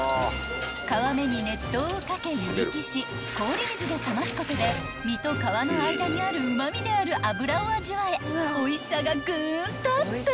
［皮目に熱湯をかけ湯引きし氷水で冷ますことで身と皮の間にあるうま味である脂を味わえおいしさがグーンとアップ］